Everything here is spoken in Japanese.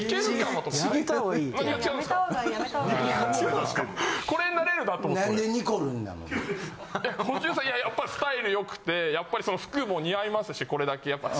もちろんやっぱスタイルよくてやっぱり服も似合いますしこれだけやっぱ。